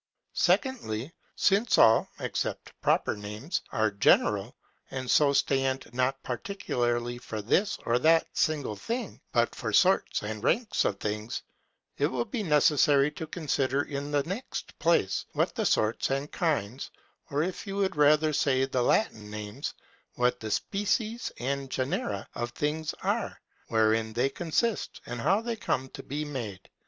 Secondly, Since all (except proper) names are general, and so stand not particularly for this or that single thing, but for sorts and ranks of things, it will be necessary to consider, in the next place, what the sorts and kinds, or, if you rather like the Latin names, WHAT THE SPECIES AND GENERA OF THINGS ARE, WHEREIN THEY CONSIST, AND HOW THEY COME TO BE MADE.